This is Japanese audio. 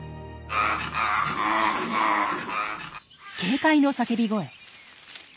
警戒の叫び声。